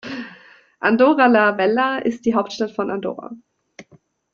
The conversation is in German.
Andorra la Vella ist die Hauptstadt von Andorra.